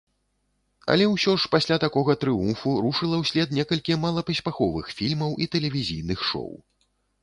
Але ўсё ж пасля такога трыумфу рушыла ўслед некалькі малапаспяховых фільмаў і тэлевізійных шоў.